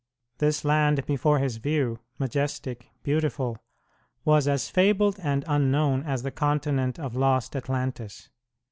This land before his view, majestic, beautiful, was as fabled and unknown as the continent of lost Atlantis.